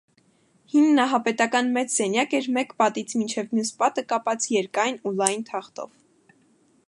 Հին նահապետական մեծ սենյակ էր մեկ պատից մինչև մյուս պատը կապած երկայն ու լայն թախտով: